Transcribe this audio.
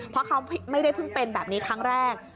เพราะเขาไม่ได้เพิ่งเป็นแบบนี้ครั้งแรก